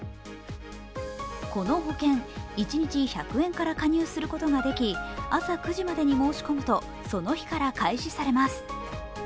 この保険、一日１００円から加入することができ、朝９時までに申し込むとその日から開始されます。